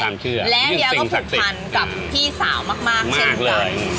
ความเชื่อเรื่องสิ่งศักดิ์มากเลยแล้วเฮียก็ผูกพันกับพี่สาวมากเช่นกัน